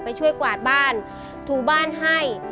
ไปช่วยกวาดบ้านถูบ้านให้